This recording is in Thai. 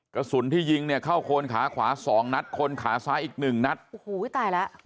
กระสุนที่ยิงเนี่ยเข้าโคนขาขวาสองนัดคนขาซ้ายอีกหนึ่งนัดโอ้โหตายแล้ว